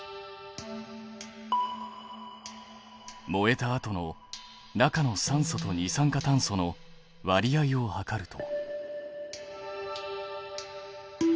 燃えたあとの中の酸素と二酸化炭素の割合を測ると。